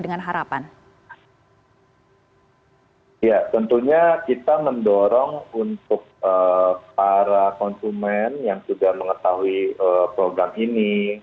dorong untuk para konsumen yang sudah mengetahui program ini